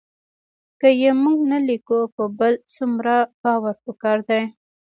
که یې موږ نه لیکو په بل څومره باور پکار دی